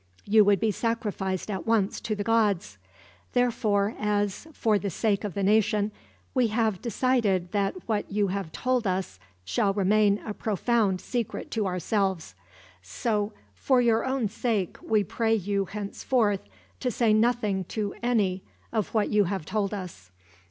You would be sacrificed at once to the gods. Therefore as, for the sake of the nation, we have decided that what you have told us shall remain a profound secret to ourselves; so, for your own sake, we pray you henceforth to say nothing to any of what you have told us.